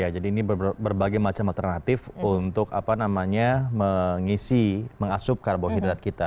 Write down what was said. jadi ini berbagai macam alternatif untuk mengisi mengasup karbohidrat kita